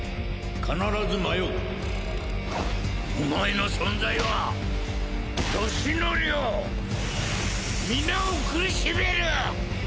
必ず迷うお前の存在は俊典を皆を苦しめる！